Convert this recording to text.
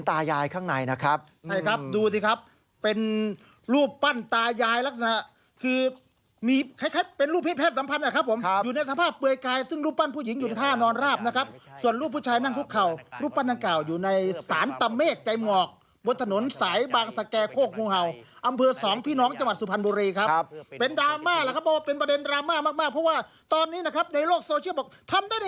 ถ้าดูก็เป็นสารถ้าดูธรรมดาดูภายนอกนึกว่าเป็นสารธรรมดา